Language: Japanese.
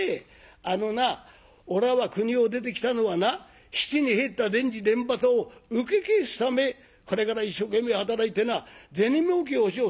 あのなおらは国を出てきたのはな質に入った田地田畑を請け返すためこれから一生懸命働いてな銭もうけをしよう。